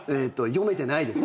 読めてないです。